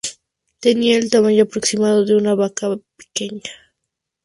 Tenía el tamaño aproximado de una vaca pequeña.